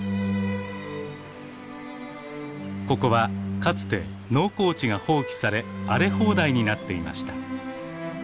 ここはかつて農耕地が放棄され荒れ放題になっていました。